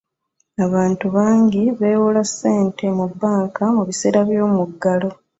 Abantu bangi bewola ssente mu bbanka mu biseera by'omuggalo.